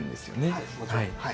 はいもちろんはい。